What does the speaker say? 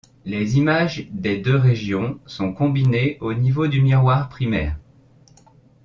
Les images des deux régions sont combinées au niveau du miroir primaire.